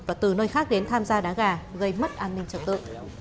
và từ nơi khác đến tham gia đá gà gây mất an ninh trật tự